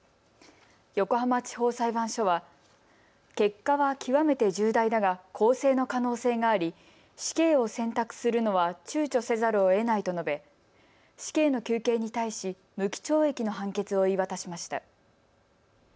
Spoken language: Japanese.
横浜地方裁判所は結果は極めて重大だが更生の可能性があり死刑を選択するのはちゅうちょせざるをえないと述べ死刑の求刑に対し無期懲役の判決を言い渡しました。